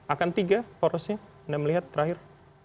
akan tiga porosnya anda melihat terakhir